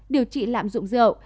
điều trị lạm dụng rượu